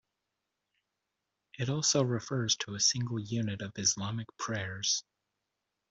It also refers to a single unit of Islamic prayers.